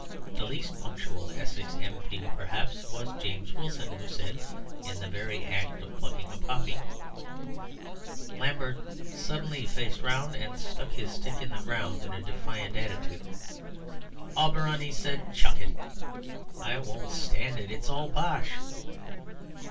The least punctual Essex M.P., perhaps, was James Wilson, who said, in the very act of plucking a poppy " Lambert suddenly faced round and struck his stick into the ground in a defiant attitude. "Auberon," he said, "chuck it. I won't stand it. It's all bosh."